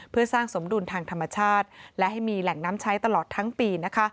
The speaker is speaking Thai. เพื่อสร้างสมดุลทางธรรมชาติและให้มีแหล่งน้ำใช้ตลอดทั้งปี